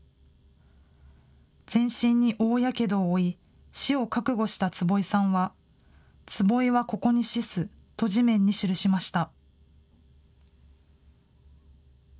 全身に大やけどを負い、死を覚悟した坪井さんは、坪井はここに死すと、地面に記しました。